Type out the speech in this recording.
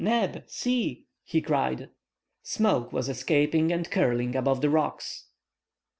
Neb! See!" he cried. Smoke was escaping and curling above the rocks!